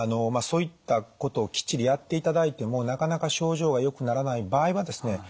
そういったことをきっちりやっていただいてもなかなか症状がよくならない場合はですね